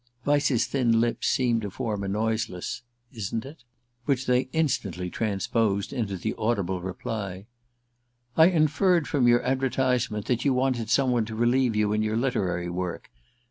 Vyse's thin lips seemed to form a noiseless "_ Isn't_ it?" which they instantly transposed into the audibly reply: "I inferred from your advertisement that you want some one to relieve you in your literary work.